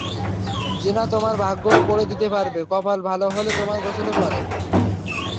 জিনা তোমার ভাগ্যও পড়ে দিতে পারবে, কপাল ভালো হলে, তোমার গোসলের পরে।